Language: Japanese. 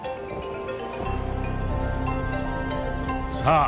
さあ